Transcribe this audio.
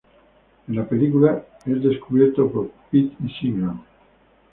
En la película, es descubierto por Pitt y Seagram.